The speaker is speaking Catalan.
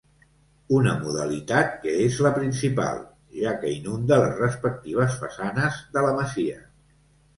Una modalitat que és la principal, ja que inunda les respectives façanes de la masia.